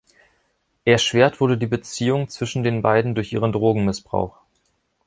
Erschwert wurde die Beziehung zwischen den beiden durch ihren Drogenmissbrauch.